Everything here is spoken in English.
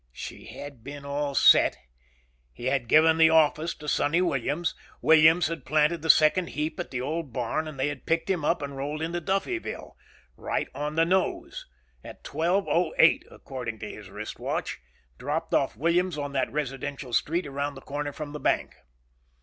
She had been all set. He had given the office to Sonny Williams. Williams had planted the second heap at the old barn and they had picked him up and rolled into Duffyville. Right on the nose. At 12.08 according to his wrist watch. Dropped off Williams on that residential street around the corner from the bank.